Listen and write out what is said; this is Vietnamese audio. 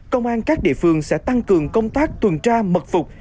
công an các địa phương sẽ tăng cường công tác tuần tra mật phục